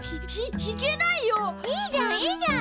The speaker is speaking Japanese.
いいじゃんいいじゃん。